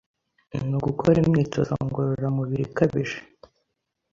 ni ugukora imyitozo ngororamubiri ikabije